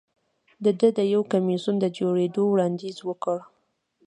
ده د یو کمېسیون د جوړېدو وړاندیز وکړ.